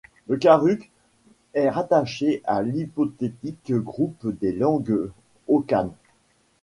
Le karuk est rattaché à l'hypothétique groupe des langues hokanes.